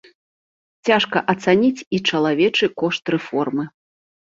Цяжка ацаніць і чалавечы кошт рэформы.